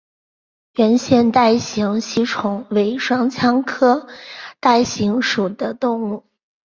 圆腺带形吸虫为双腔科带形属的动物。